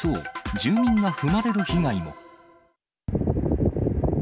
住民が踏まれる被害も。